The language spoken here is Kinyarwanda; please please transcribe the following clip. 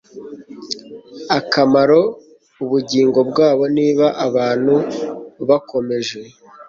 akamaro ubugingo bwabo Niba abantu bakomeje